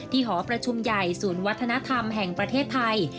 หอประชุมใหญ่ศูนย์วัฒนธรรมแห่งประเทศไทย